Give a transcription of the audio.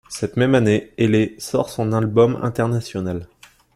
Cette même année, Hayley sort son album international.